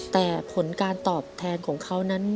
แต่ผลการตอบแทนของเขานั้น